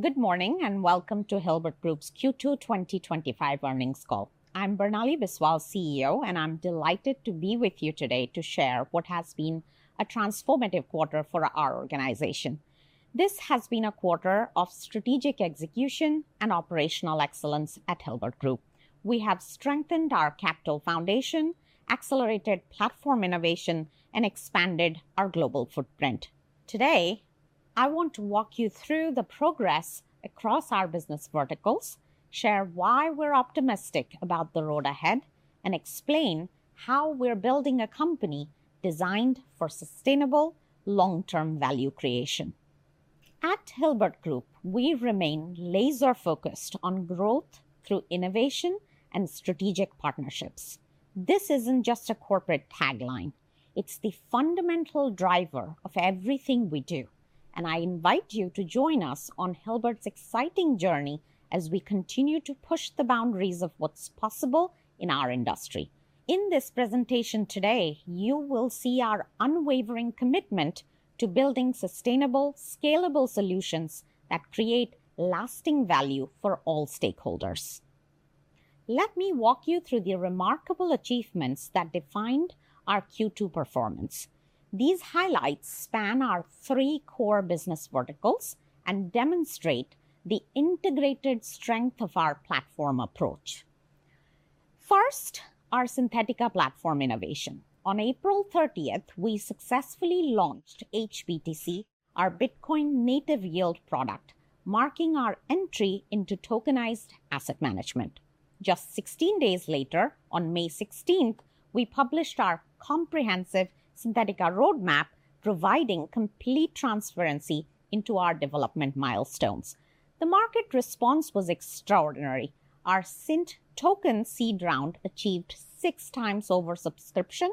Good morning and welcome to Hilbert Group's Q2 2025 Earnings Call. I'm Barnali Biswal, CEO, and I'm delighted to be with you today to share what has been a transformative quarter for our organization. This has been a quarter of strategic execution and operational excellence at Hilbert Group. We have strengthened our capital foundation, accelerated platform innovation, and expanded our global footprint. Today, I want to walk you through the progress across our business verticals, share why we're optimistic about the road ahead, and explain how we're building a company designed for sustainable, long-term value creation. At Hilbert Group, we remain laser-focused on growth through innovation and strategic partnerships. This isn't just a corporate tagline, it's the fundamental driver of everything we do. I invite you to join us on Hilbert's exciting journey as we continue to push the boundaries of what's possible in our industry. In this presentation today, you will see our unwavering commitment to building sustainable, scalable solutions that create lasting value for all stakeholders. Let me walk you through the remarkable achievements that defined our Q2 performance. These highlights span our three core business verticals and demonstrate the integrated strength of our platform approach. First, our Syntetika platform innovation. On April 30th, we successfully launched HBTC, our BTC native yield product, marking our entry into tokenized asset management. Just 16 days later, on May 16th, we published our comprehensive Syntetika roadmap, providing complete transparency into our development milestones. The market response was extraordinary. Our Synth token seed round achieved 6x over subscription,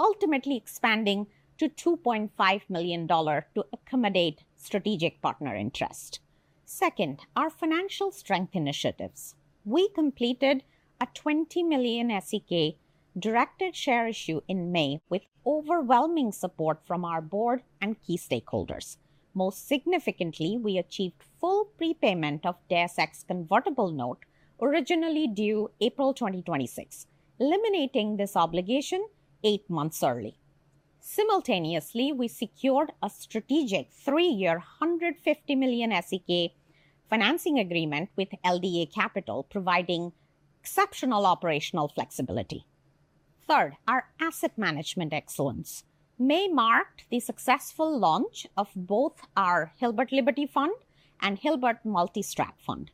ultimately expanding to $2.5 million to accommodate strategic partner interest. Second, our financial strength initiatives. We completed a 20 million SEK directed share issue in May, with overwhelming support from our board and key stakeholders. Most significantly, we achieved full prepayment of Deus X convertible note, originally due April 2026, eliminating this obligation eight months early. Simultaneously, we secured a strategic three-year 150 million SEK financing agreement with LDA Capital, providing exceptional operational flexibility. Third, our asset management excellence. May marked the successful launch of both our Hilbert Liberty Fund and Hilbert Multi-Strat Fund,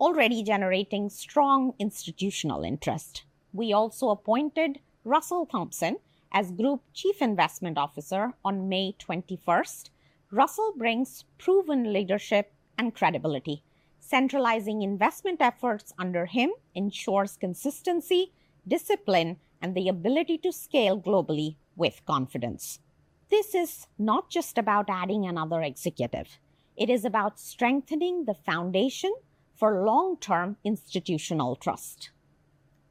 already generating strong institutional interest. We also appointed Russell Thompson as Group Chief Investment Officer on May 21st. Russell brings proven leadership and credibility. Centralizing investment efforts under him ensures consistency, discipline, and the ability to scale globally with confidence. This is not just about adding another executive, it is about strengthening the foundation for long-term institutional trust.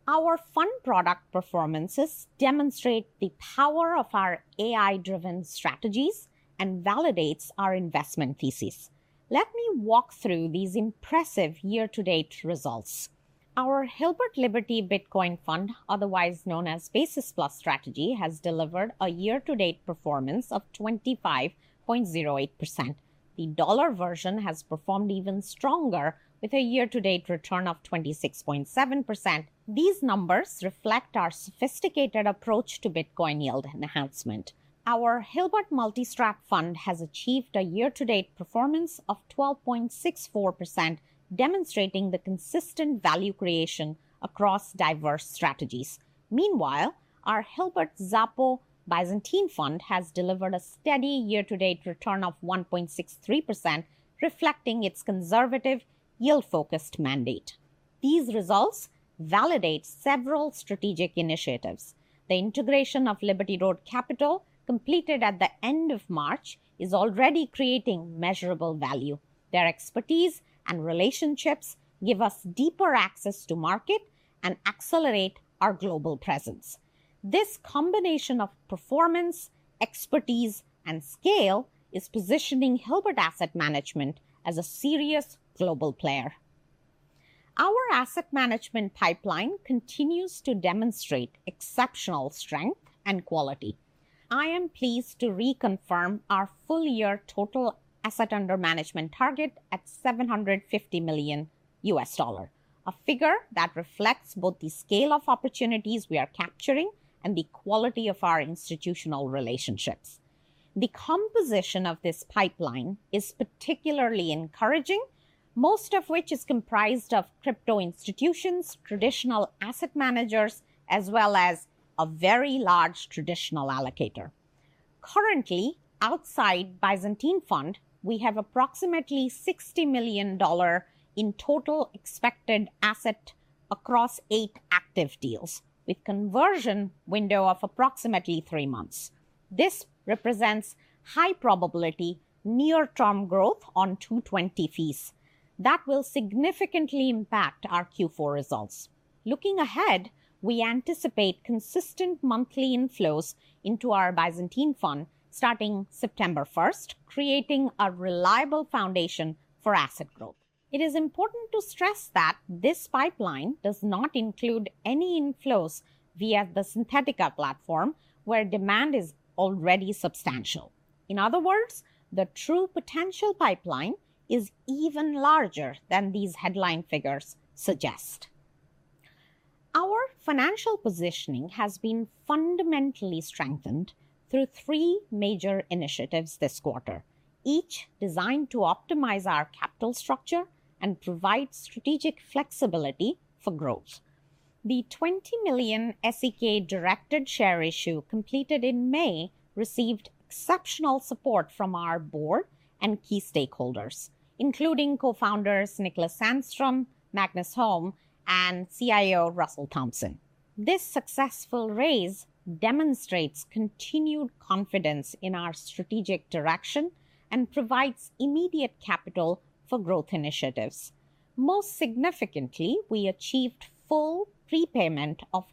Our fund product performances demonstrate the power of our AI-driven strategies and validate our investment thesis. Let me walk through these impressive year-to-date results. Our Hilbert Liberty BTC Fund, otherwise known as Basis Plus Strategy, has delivered a year-to-date performance of 25.08%. The dollar version has performed even stronger, with a year-to-date return of 26.7%. These numbers reflect our sophisticated approach to BTC yield enhancement. Our Hilbert Multi-Strat Fund has achieved a year-to-date performance of 12.64%, demonstrating the consistent value creation across diverse strategies. Meanwhile, our Hilbert Zappo Byzantine Fund has delivered a steady year-to-date return of 1.63%, reflecting its conservative, yield-focused mandate. These results validate several strategic initiatives. The integration of Liberty Road Capital, completed at the end of March, is already creating measurable value. Their expertise and relationships give us deeper access to the market and accelerate our global presence. This combination of performance, expertise, and scale is positioning Hilbert Asset Management as a serious global player. Our asset management pipeline continues to demonstrate exceptional strength and quality. I am pleased to reconfirm our full-year total assets under management target at $750 million, a figure that reflects both the scale of opportunities we are capturing and the quality of our institutional relationships. The composition of this pipeline is particularly encouraging, most of which is comprised of crypto institutions, traditional asset managers, as well as a very large traditional allocator. Currently, outside the Byzantine Fund, we have approximately $60 million in total expected assets across eight active deals, with a conversion window of approximately three months. This represents high probability, near-term growth on 220 fees. That will significantly impact our Q4 results. Looking ahead, we anticipate consistent monthly inflows into our Byzantine Fund starting September 1st, creating a reliable foundation for asset growth. It is important to stress that this pipeline does not include any inflows via the Syntetika platform, where demand is already substantial. In other words, the true potential pipeline is even larger than these headline figures suggest. Our financial positioning has been fundamentally strengthened through three major initiatives this quarter, each designed to optimize our capital structure and provide strategic flexibility for growth. The 20 million SEK directed share issue completed in May received exceptional support from our board and key stakeholders, including Co-Founders Niclas Sandström, Magnus Holm, and CIO Russell Thompson. This successful raise demonstrates continued confidence in our strategic direction and provides immediate capital for growth initiatives. Most significantly, we achieved full prepayment of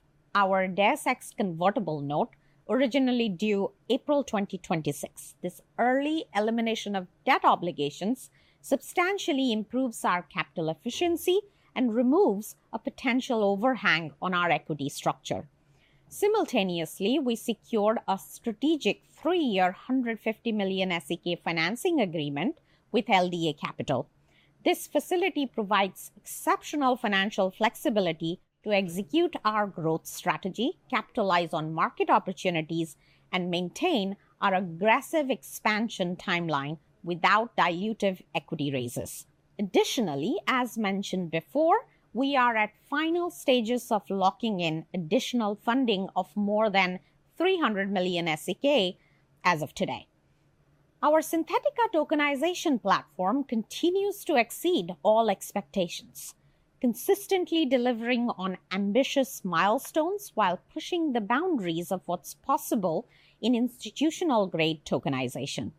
Deus X convertible note, originally due April 2026. This early elimination of debt obligations substantially improves our capital efficiency and removes a potential overhang on our equity structure. Simultaneously, we secured a strategic three-year 150 million SEK financing agreement with LDA Capital. This facility provides exceptional financial flexibility to execute our growth strategy, capitalize on market opportunities, and maintain our aggressive expansion timeline without dilutive equity raises. Additionally, as mentioned before, we are at the final stages of locking in additional funding of more than 300 million SEK as of today. Our Syntetika tokenization platform continues to exceed all expectations, consistently delivering on ambitious milestones while pushing the boundaries of what's possible in institutional-grade tokenization.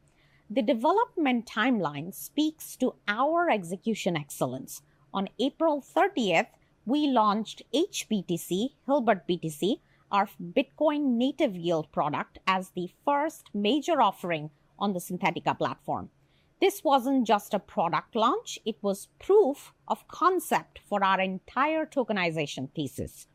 The development timeline speaks to our execution excellence. On April 30, we launched HBTC, our BTC native yield product, as the first major offering on the Syntetika platform. This wasn't just a product launch, it was proof of concept for our entire tokenization thesis.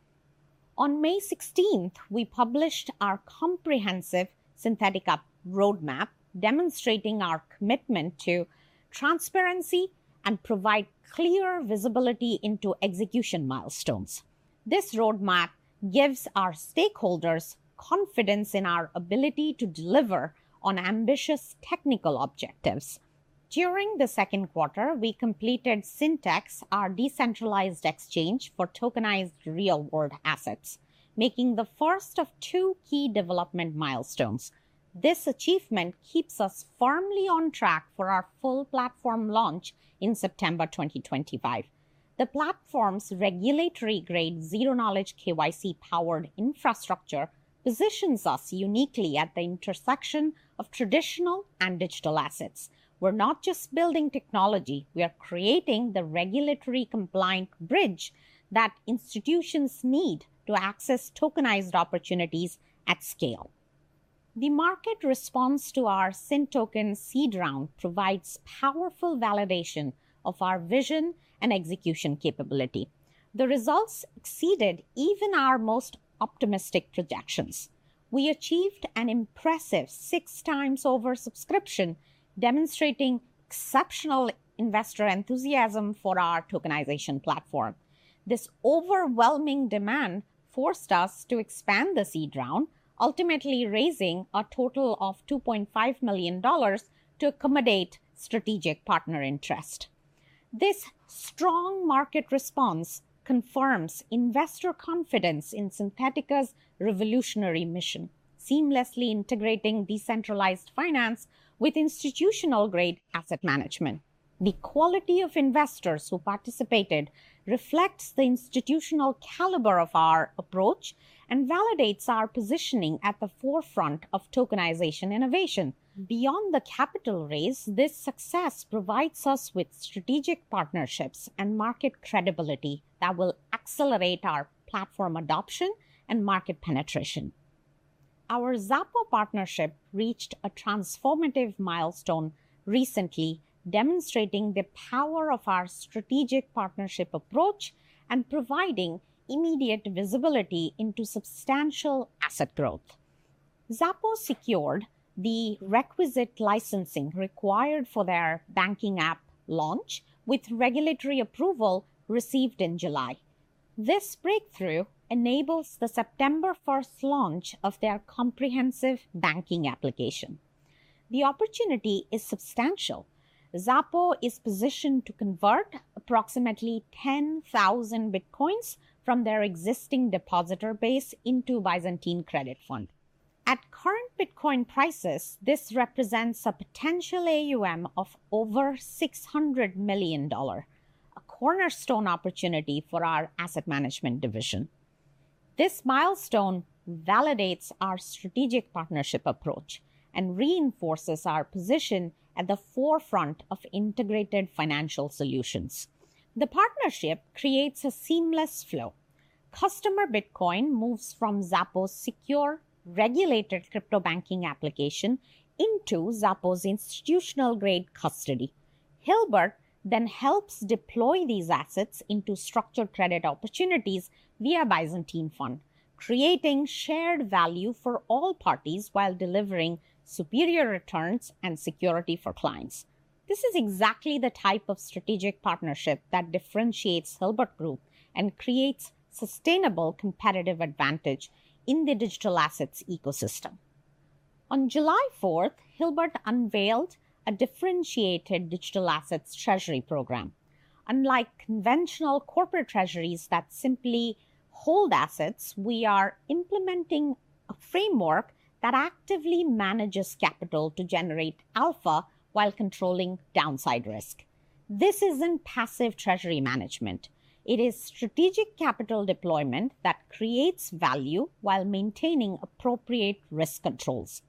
On May 16, we published our comprehensive Syntetika roadmap, demonstrating our commitment to transparency and providing clear visibility into execution milestones. This roadmap gives our stakeholders confidence in our ability to deliver on ambitious technical objectives. During the second quarter, we completed Syntex, our decentralized exchange for tokenized real-world assets, making the first of two key development milestones. This achievement keeps us firmly on track for our full platform launch in September 2025. The platform's regulatory-grade zero-knowledge KYC-powered infrastructure positions us uniquely at the intersection of traditional and digital assets. We're not just building technology; we are creating the regulatory-compliant bridge that institutions need to access tokenized opportunities at scale. The market response to our Synth token seed round provides powerful validation of our vision and execution capability. The results exceeded even our most optimistic projections. We achieved an impressive six times over subscription, demonstrating exceptional investor enthusiasm for our tokenization platform. This overwhelming demand forced us to expand the seed round, ultimately raising a total of $2.5 million to accommodate strategic partner interest. This strong market response confirms investor confidence in Syntetika's revolutionary mission, seamlessly integrating decentralized finance with institutional-grade asset management. The quality of investors who participated reflects the institutional caliber of our approach and validates our positioning at the forefront of tokenization innovation. Beyond the capital raise, this success provides us with strategic partnerships and market credibility that will accelerate our platform adoption and market penetration. Our Zappo partnership reached a transformative milestone recently, demonstrating the power of our strategic partnership approach and providing immediate visibility into substantial asset growth. Zappo secured the requisite licensing required for their banking app launch, with regulatory approval received in July. This breakthrough enables the September 1st launch of their comprehensive banking application. The opportunity is substantial. Zappo is positioned to convert approximately 10,000 BTC from their existing depositor base into Byzantine Credit Fund. At current BTC prices, this represents a potential AUM of over $600 million, a cornerstone opportunity for our asset management division. This milestone validates our strategic partnership approach and reinforces our position at the forefront of integrated financial solutions. The partnership creates a seamless flow. Customer BTC moves from Zappo's secure, regulated crypto banking application into Zappo's institutional-grade custody. Hilbert then helps deploy these assets into structured credit opportunities via Byzantine Fund, creating shared value for all parties while delivering superior returns and security for clients. This is exactly the type of strategic partnership that differentiates Hilbert Group and creates a sustainable competitive advantage in the digital assets ecosystem. On July 4, Hilbert unveiled a differentiated digital assets treasury program. Unlike conventional corporate treasuries that simply hold assets, we are implementing a framework that actively manages capital to generate alpha while controlling downside risk. This isn't passive treasury management. It is strategic capital deployment that creates value while maintaining appropriate risk controls.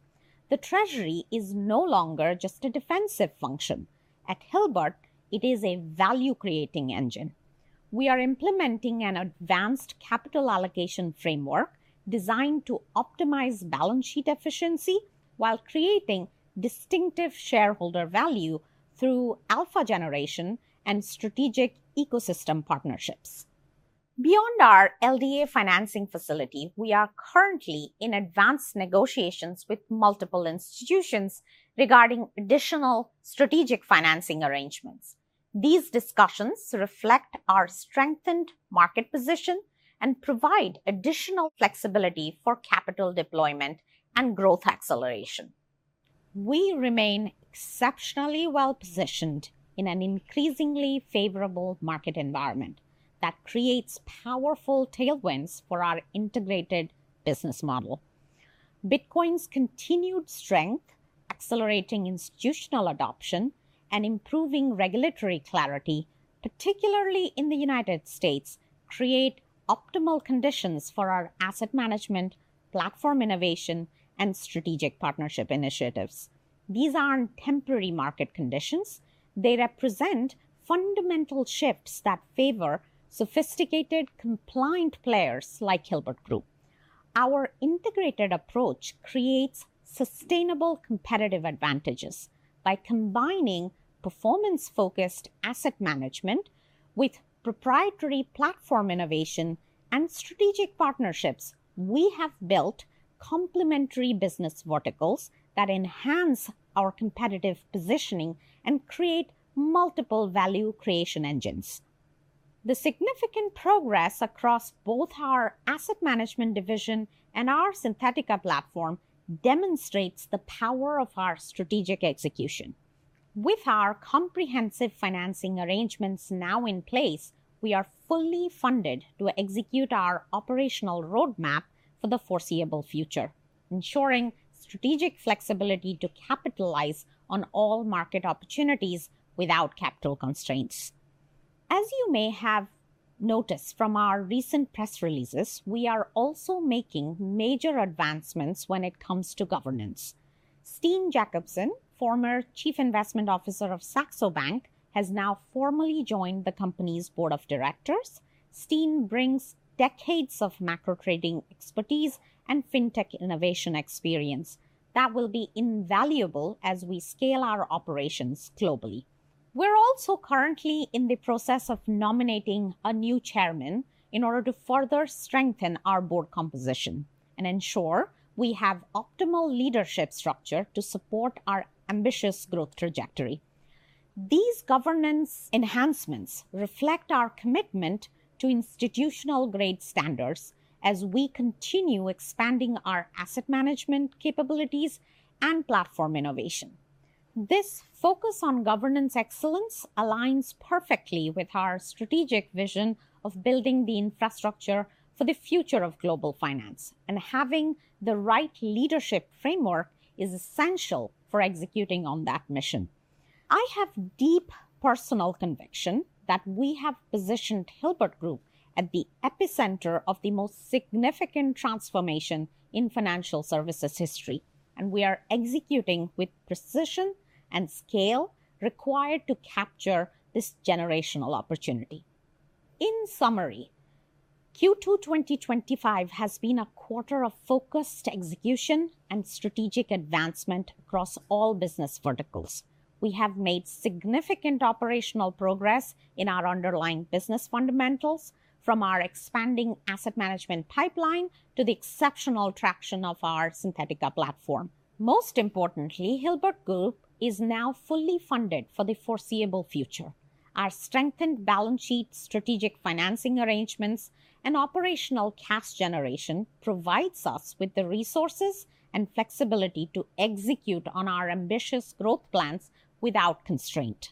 The treasury is no longer just a defensive function. At Hilbert, it is a value-creating engine. We are implementing an advanced capital allocation framework designed to optimize balance sheet efficiency while creating distinctive shareholder value through alpha generation and strategic ecosystem partnerships. Beyond our LDA Capital financing facility, we are currently in advanced negotiations with multiple institutions regarding additional strategic financing arrangements. These discussions reflect our strengthened market position and provide additional flexibility for capital deployment and growth acceleration. We remain exceptionally well positioned in an increasingly favorable market environment that creates powerful tailwinds for our integrated business model. BTC's continued strength, accelerating institutional adoption, and improving regulatory clarity, particularly in the U.S., create optimal conditions for our asset management, platform innovation, and strategic partnership initiatives. These aren't temporary market conditions; they represent fundamental shifts that favor sophisticated, compliant players like Hilbert Group. Our integrated approach creates sustainable competitive advantages. By combining performance-focused asset management with proprietary platform innovation and strategic partnerships, we have built complementary business verticals that enhance our competitive positioning and create multiple value creation engines. The significant progress across both our asset management division and our Syntetika platform demonstrates the power of our strategic execution. With our comprehensive financing arrangements now in place, we are fully funded to execute our operational roadmap for the foreseeable future, ensuring strategic flexibility to capitalize on all market opportunities without capital constraints. As you may have noticed from our recent press releases, we are also making major advancements when it comes to governance. Steen Jakobsen, former Chief Investment Officer of Saxo Bank, has now formally joined the company's board of directors. Steen brings decades of macro trading expertise and fintech innovation experience that will be invaluable as we scale our operations globally. We're also currently in the process of nominating a new Chairman in order to further strengthen our board composition and ensure we have optimal leadership structure to support our ambitious growth trajectory. These governance enhancements reflect our commitment to institutional-grade standards as we continue expanding our asset management capabilities and platform innovation. This focus on governance excellence aligns perfectly with our strategic vision of building the infrastructure for the future of global finance, and having the right leadership framework is essential for executing on that mission. I have deep personal conviction that we have positioned Hilbert Group at the epicenter of the most significant transformation in financial services history, and we are executing with precision and scale required to capture this generational opportunity. In summary, Q2 2025 has been a quarter of focused execution and strategic advancement across all business verticals. We have made significant operational progress in our underlying business fundamentals, from our expanding asset management pipeline to the exceptional traction of our Syntetika platform. Most importantly, Hilbert Group is now fully funded for the foreseeable future. Our strengthened balance sheet, strategic financing arrangements, and operational cash generation provide us with the resources and flexibility to execute on our ambitious growth plans without constraint.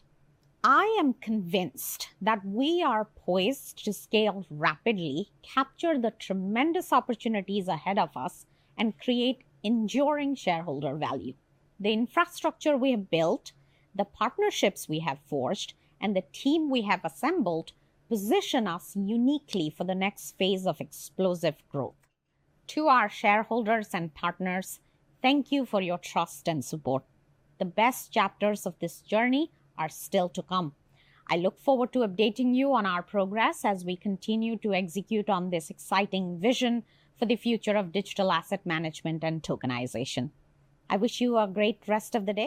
I am convinced that we are poised to scale rapidly, capture the tremendous opportunities ahead of us, and create enduring shareholder value. The infrastructure we have built, the partnerships we have forged, and the team we have assembled position us uniquely for the next phase of explosive growth. To our shareholders and partners, thank you for your trust and support. The best chapters of this journey are still to come. I look forward to updating you on our progress as we continue to execute on this exciting vision for the future of digital asset management and tokenization. I wish you a great rest of the day.